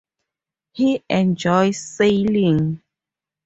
He enjoys sailing.